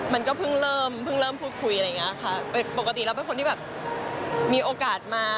มันก็เพิ่งเริ่มเพิ่งเริ่มพูดคุยอะไรอย่างนี้ค่ะปกติเราเป็นคนที่แบบมีโอกาสมา